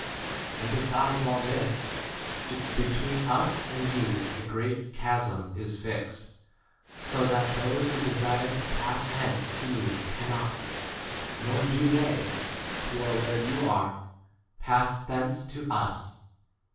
And be sides all this, between us and you a great chasm is fixed, so that those who desire to pass hence to you cannot, nor do they [who are where you are] pass thence to us.